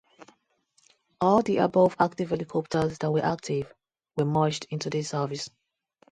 All the above active helicopters that were active were merged into this service.